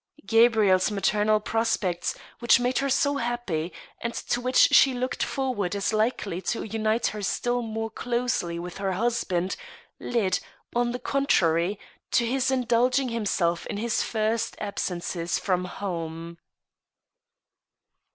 Gabrielle's maternal prospects, which made her so happy, and to which she looked forward as likely to unite her still more closely with her husband, led, on the contrary, to his indulging himself in his first absences from home.